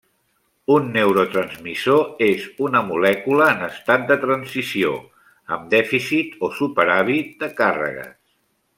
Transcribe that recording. Un neurotransmissor és una molècula en estat de transició, amb dèficit o superàvit de càrregues.